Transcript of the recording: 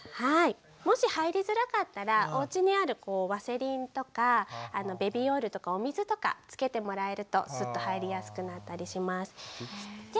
もし入りづらかったらおうちにあるワセリンとかベビーオイルとかお水とかつけてもらえるとスッと入りやすくなったりします。